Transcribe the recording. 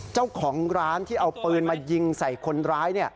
เจ้าของร้านที่เอาปืนมายิงใส่คนร้าย